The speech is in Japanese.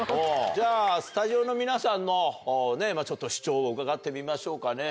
じゃあスタジオの皆さんのちょっと主張を伺ってみましょうかね。